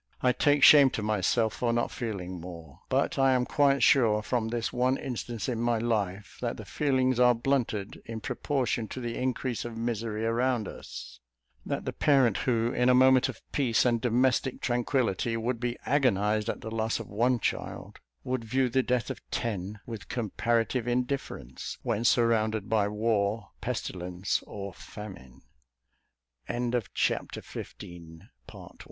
I take shame to myself for not feeling more; but I am quite sure, from this one instance in my life, that the feelings are blunted in proportion to the increase of misery around us; that the parent who, in a moment of peace and domestic tranquillity, would be agonized at the loss of one child, would view the death of ten with comparative indifference, when surrounded by war, pestilence, or famine. My feelings, never very acute in this res